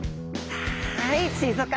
はい。